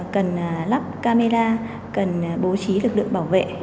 cần lắp camera cần bố trí lực lượng